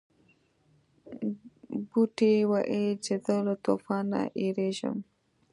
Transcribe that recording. بوټي ویل چې زه له طوفان نه یریږم.